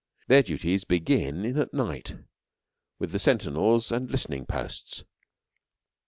Their duties begin in at night with the sentinels and listening posts.